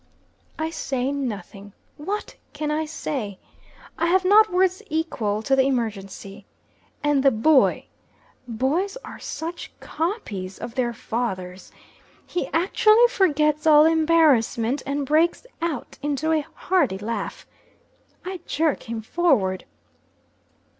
I say nothing what can I say? I have not words equal to the emergency. And the boy boys are such copies of their fathers! He actually forgets all embarrassment, and breaks out into a hearty laugh. I jerk him forward.